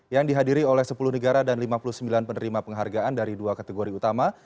yang dihadiri oleh sepuluh negara dan lima puluh sembilan penerima penghargaan dari dua kategori utama